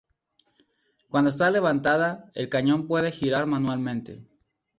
Cuando está levantada, el cañón puede girar manualmente.